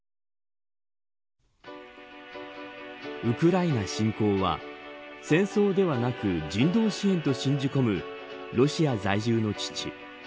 ウクライナ侵攻は戦争ではなく人道支援と信じ込むロシア在住の父。